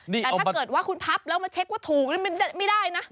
แต่ถ้าเกิดว่าคุณพับแล้วมาเช็คว่าถูกนี่มันไม่ได้นะ